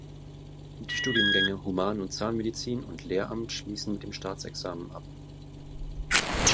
Die Studiengänge Human- und Zahnmedizin und Lehramt schließen mit dem Staatsexamen ab.